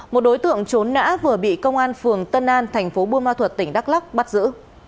một đối tượng trốn nã vừa bị công an phường tân an thành phố buôn ma thuật tỉnh đắk lắc bắt giữ